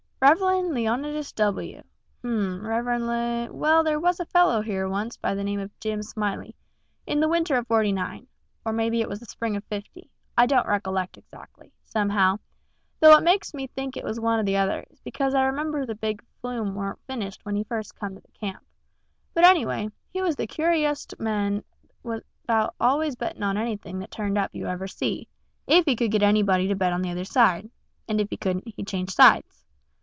Reverend Leonidas W. H'm, Reverend Le well, there was a feller here once by the name of Jim Smiley, in the winter of '49 or maybe it was the spring of '50 I don't recollect exactly, somehow, though what makes me think it was one or the other is because I remember the big flume warn't finished when he first come to the camp; but anyway, he was the curiosest man about always betting on anything that turned up you ever see, if he could get anybody to bet on the other side; and if he couldn't he'd change sides.